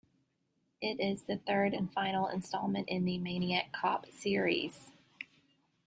It is the third and final installment in the "Maniac Cop" series.